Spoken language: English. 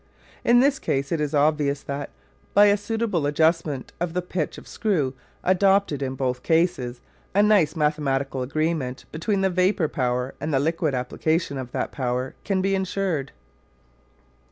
In this case it is obvious that, by a suitable adjustment of the pitch of screw adopted in both cases, a nice mathematical agreement between the vapour power and the liquid application of that power can be ensured.